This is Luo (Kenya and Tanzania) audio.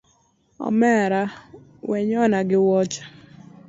Omera wenyona gi wuoche